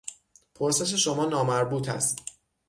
پرسش شما نامربوط بود.